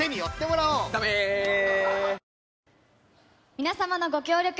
皆様のご協力